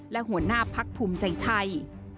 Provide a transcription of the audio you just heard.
และหัวหน้าพักภูมิใจไทย